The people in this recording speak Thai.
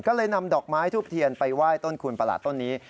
ก็เลยนำดอกไม้ทูบเทียนไปไหว้ต้นคูณประหลาดต้นนี้